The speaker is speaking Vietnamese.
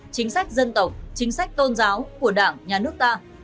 chính sách dân tộc chính sách tôn giáo của đảng nhà nước ta